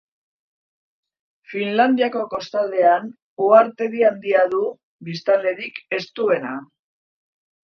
Finlandiako kostaldean uhartedi handia du, biztanlerik ez duena.